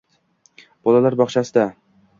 Bolalar bog‘chasida